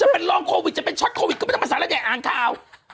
หนุ่มจะเป็นร้องโควิดจะเป็นช็อตโควิดก็ไม่ต้องมาสั่งแล้วเนี่ยอ่านข่าว